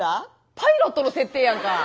パイロットの設定やんか。